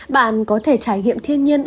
bạn có thể trải nghiệm thiên nhiên ổn định